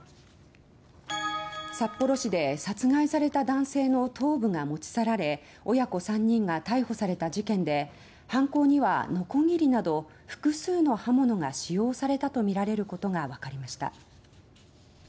札幌市で殺害された男性の頭部が持ち去られ親子３人が逮捕された事件で犯行にはノコギリなど複数の刃物が使用されたとみられることがわかりました。